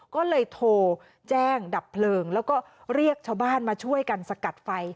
ก็เลยโทรแจ้งดับเพลิงแล้วก็เรียกชาวบ้านมาช่วยกันสกัดไฟ